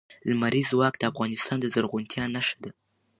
لمریز ځواک د افغانستان د زرغونتیا نښه ده.